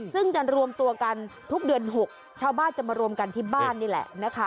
ซึ่งจะรวมตัวกันทุกเดือน๖ชาวบ้านจะมารวมกันที่บ้านนี่แหละนะคะ